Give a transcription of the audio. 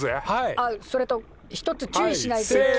あっそれと一つ注意しないといけ。